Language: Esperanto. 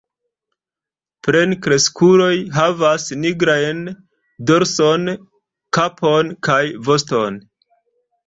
Plenkreskuloj havas nigrajn dorson, kapon kaj voston.